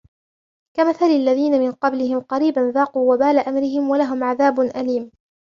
كمثل الذين من قبلهم قريبا ذاقوا وبال أمرهم ولهم عذاب أليم